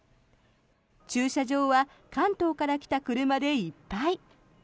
駐車場は関東から来た車でいっぱい。